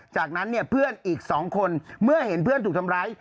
จากนั้นเนี่ยเพื่อนอีก๒คนเมื่อเห็นเพื่อนถูกทำร้าย